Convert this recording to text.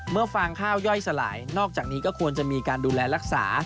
ฟางข้าวย่อยสลายนอกจากนี้ก็ควรจะมีการดูแลรักษา